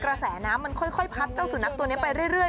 กระแสน้ำมันค่อยพัดเจ้าสุนัขตัวนี้ไปเรื่อย